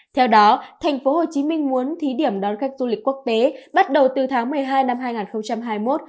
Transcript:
theo đó thành phố hồ chí minh muốn thí điểm đón khách du lịch quốc tế bắt đầu từ tháng một mươi hai năm hai nghìn hai mươi một